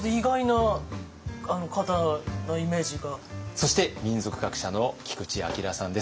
そして民俗学者の菊地暁さんです。